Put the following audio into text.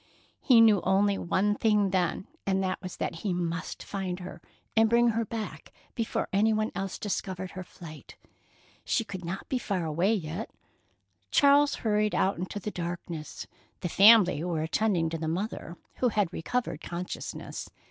He knew only one thing then, and that was that he must find her and bring her back before any one else discovered her flight. She could not be far away yet. Charles hurried out into the darkness. The family were attending to the mother, who had recovered consciousness.